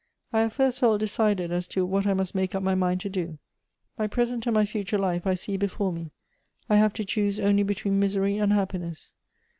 I hnve first felt decided as to what I must make up my mind to do. My present and my future life I see before me; f have to choose only between misery and happiness.